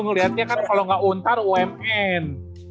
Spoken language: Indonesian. ngelihatnya kan kalau nggak untar umn